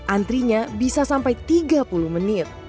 antrinya bisa sampai tiga puluh menit